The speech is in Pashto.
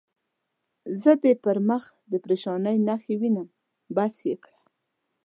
زه دې پر مخ د پرېشانۍ نښې وینم، بس یې کړه.